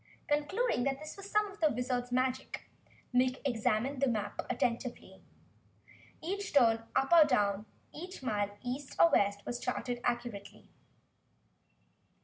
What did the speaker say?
Concluding this was some of the Wizard's magic, Nick examined the map attentively. Each turn up or down, each mile east or west, was charted accurately.